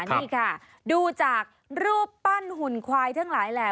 นี่ค่ะดูจากรูปปั้นหุ่นควายทั้งหลายแหล่